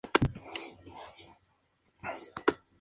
Obviamente, sus estudios han sido cuestionados.